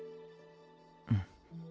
うん。